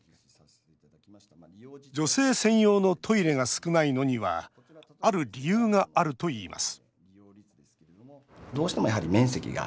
女性専用のトイレが少ないのにはある理由があるといいます